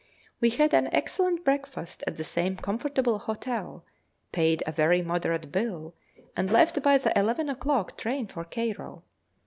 We had an excellent breakfast at the same comfortable hotel, paid a very moderate bill, and left by the eleven o'clock train for Cairo.